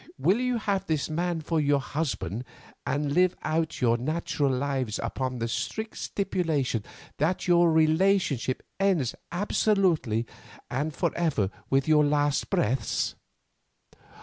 Will you have this man for your husband and live out your natural lives upon the strict stipulation that your relationship ends absolutely and forever with your last breaths?